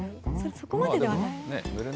そこまでではない？